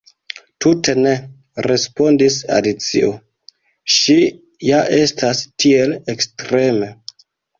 "Tute ne," respondis Alicio. "Ŝi ja estas tiel ekstreme…"